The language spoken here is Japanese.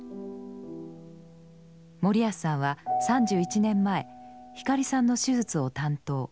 森安さんは３１年前光さんの手術を担当。